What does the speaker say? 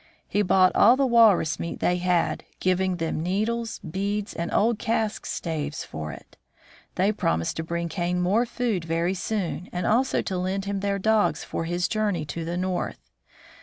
He bought all the walrus meat they had, giving them needles, beads, and old cask staves for it. They promised to bring Kane more food very soon, and also to lend him their dogs for his journey to the north.